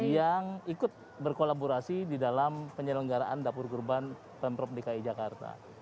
yang ikut berkolaborasi di dalam penyelenggaraan dapur kurban pemprov dki jakarta